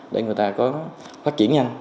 để người ta có phát triển nhanh